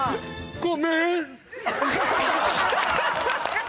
ごめん。